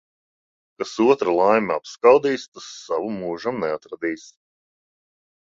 Kas otra laimi apskaudīs, tas savu mūžam neatradīs.